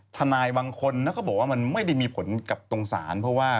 ทนายบางคนเขาบอกว่ามันไม่ได้มีผลกับตรงศาลเพราะว่า